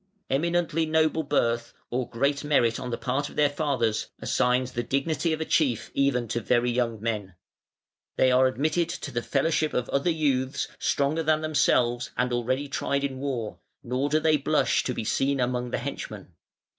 Eminently noble birth, or great merit on the part of their fathers, assigns the dignity of a chief even to very young men. They are admitted to the fellowship of other youths stronger than themselves, and already tried in war, nor do they blush to be seen among the henchmen.